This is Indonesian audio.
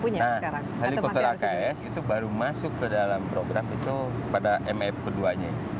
nah helikopter aks itu baru masuk ke dalam program itu pada mef keduanya